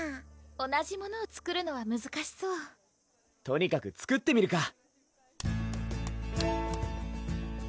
同じものを作るのはむずかしそうとにかく作ってみるか！